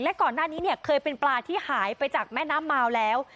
และก่อนหน้านี้เนี่ยเคยเป็นปลาที่หายไปจากแม่น้ำมาวแล้ว